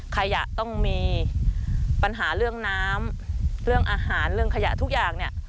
ขยะต้องมีปัญหาเรื่องน้ำเรื่องอาหารเรื่องขยะทุกอย่างเนี่ย